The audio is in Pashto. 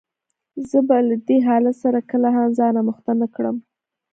زه به له دې حالت سره کله هم ځان آموخته نه کړم.